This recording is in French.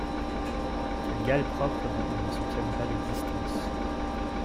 Cette gale propre dont on ne soupçonne pas l’existence.